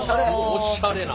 おしゃれな。